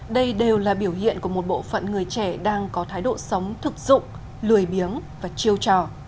đây đều là biểu hiện của một bộ phận người trẻ đang có thái độ sống thực dụng lười biếng và chiêu trò